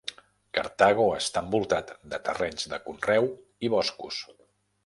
Cartago està envoltat de terrenys de conreu i boscos.